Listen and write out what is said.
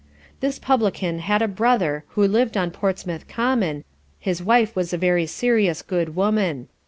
This publican had a brother who lived on Portsmouth common, his wife was a very serious good woman.